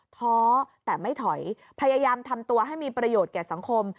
ท้อแต่ไม่ถอยพยายามทำตัวให้มีประโยชน์แก่สังคม